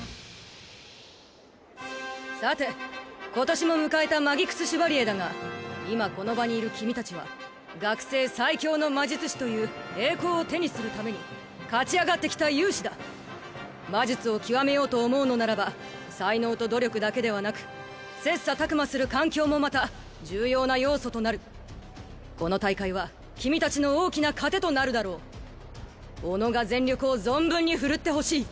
さて今年も迎えたマギクス・シュバリエだが今この場にいる君達は学生最強の魔術師という栄光を手にするために勝ち上がってきた勇士だ魔術を極めようと思うのならば才能と努力だけではなく切磋琢磨する環境もまた重要な要素となるこの大会は君達の大きな糧となるだろう己が全力を存分に振るってほしい